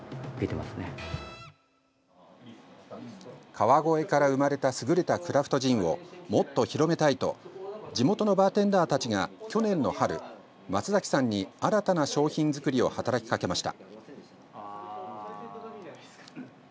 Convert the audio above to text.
川越から生まれた優れたクラフトジンをもっと広めたいと地元のバーテンダーたちが去年の春、松崎さんに新たな商品作りを働きかけました。